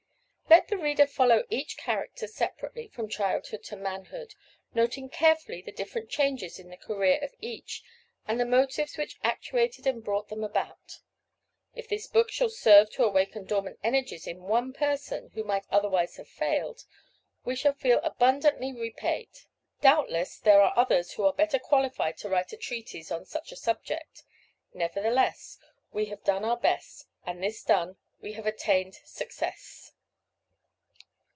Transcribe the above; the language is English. Let the reader follow each character separately, from childhood to manhood, noting carefully the different changes in the career of each and the motives which actuated and brought them about. If this book shall serve to awaken dormant energies in ONE PERSON who might otherwise have failed, we shall feel abundantly repaid. Doubtless, there are others who are better qualified to write a treatise on such a subject; nevertheless, we have done our best, and this done, we have attained success.